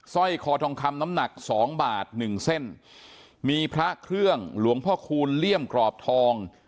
ร้อยคอทองคำน้ำหนักสองบาทหนึ่งเส้นมีพระเครื่องหลวงพ่อคูณเลี่ยมกรอบทอง